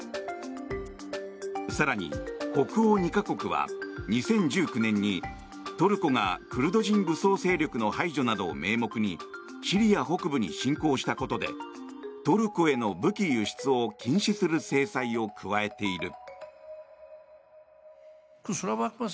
更に、北欧２か国は２０１９年にトルコがクルド人武装勢力の排除などを名目にシリア北部に侵攻したことでトルコへの武器輸出を禁止する制裁を加えている。